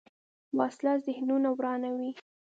وسله ذهنونه ورانوي